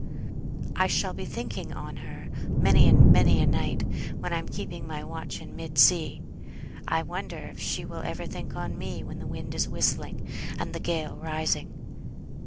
"I shall be thinking on her many and many a night, when I'm keeping my watch in mid sea; I wonder if she will ever think on me when the wind is whistling, and the gale rising.